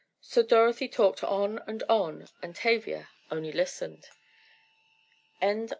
So Dorothy talked on and on and Tavia only listened.